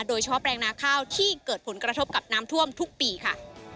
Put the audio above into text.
แปลงนาข้าวที่เกิดผลกระทบกับน้ำท่วมทุกปีค่ะ